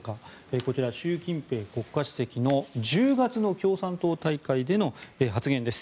こちら、習近平国家主席の１０月の共産党大会での発言です。